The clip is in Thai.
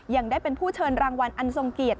ยังได้เป็นผู้เชิญรางวัลอันทรงเกียรติ